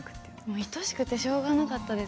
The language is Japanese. いとしくてしょうがなかったです。